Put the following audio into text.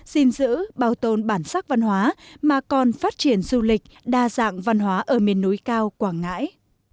xin giữ bảo tồn bản sắc văn hóa mà còn phát triển du lịch đa dạng văn hóa ở miền núi cao quảng ngãi